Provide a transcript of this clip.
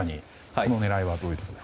この狙いは？